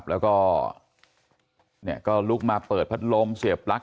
แล้วก็ลุกมาเปิดพัดลมเสียบปลั๊